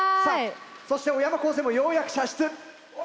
そして小山高専もようやく射出。